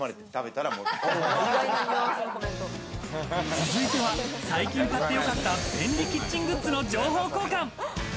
続いては、最近買ってよかった便利キッチングッズの情報交換。